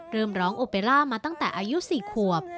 เริ่มร้องโอเปล่ามาตั้งแต่อายุ๔ขวบ